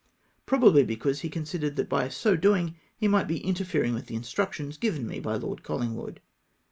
probably because he considered tliat by so doing he might be interfering with the instructions given me by Lord Collincfwood.